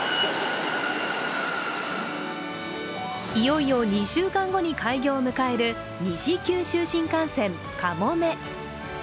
いよいよ２週間後に開業を迎える西九州新幹線「かもめ」。